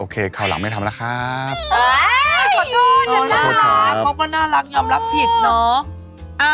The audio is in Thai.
เขาก็น่ารักยอมรับผิดเนอะ